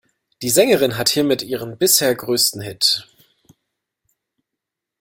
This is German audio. Die Sängerin hat hiermit ihren bisher größten Hit.